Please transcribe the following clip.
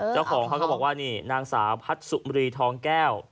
เขาก็บอกว่านี่นางสาวพัดสุมรีทองแก้ว